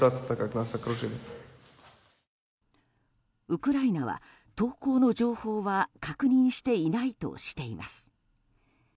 ウクライナは、投降の情報は確認していないとしています。